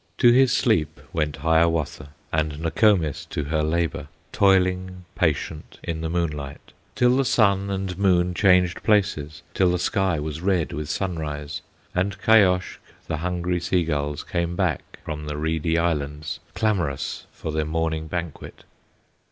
To his sleep went Hiawatha, And Nokomis to her labor, Toiling patient in the moonlight, Till the sun and moon changed places, Till the sky was red with sunrise, And Kayoshk, the hungry sea gulls, Came back from the reedy islands, Clamorous for their morning banquet.